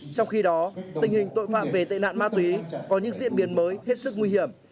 trong khi đó tình hình tội phạm về tệ nạn ma túy có những diễn biến mới hết sức nguy hiểm